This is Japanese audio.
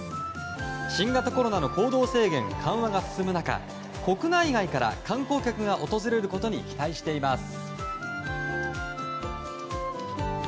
新型コロナの行動制限緩和が進む中国内外から観光客が訪れることに期待しています。